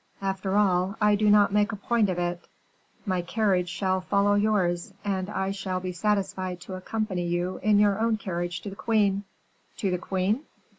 After all, I do not make a point of it; my carriage shall follow yours, and I shall be satisfied to accompany you in your own carriage to the queen." "To the queen?"